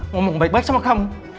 ngomong baik baik sama kamu